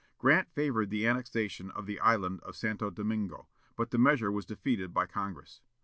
Grant favored the annexation of the island of Santo Domingo, but the measure was defeated by Congress.